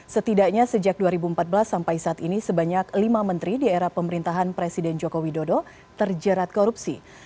setidaknya sejak dua ribu empat belas sampai saat ini sebanyak lima menteri di era pemerintahan presiden joko widodo terjerat korupsi